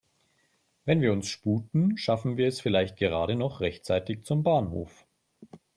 Wenn wir uns sputen, schaffen wir es vielleicht gerade noch rechtzeitig zum Bahnhof.